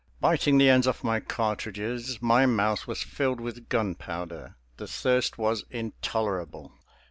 Biting the ends off my cartridges, my mouth was filled with gunpowder; the thirst was intolerable.